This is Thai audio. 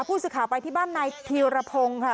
ผู้สื่อข่าวไปที่บ้านนายธีรพงศ์ค่ะ